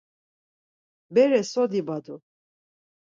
Bere so dibadu?